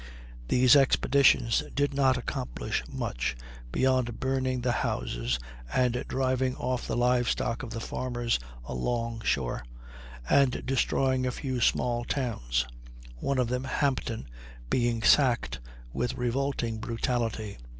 These expeditions did not accomplish much, beyond burning the houses and driving off the live stock of the farmers along shore, and destroying a few small towns one of them, Hampton, being sacked with revolting brutality.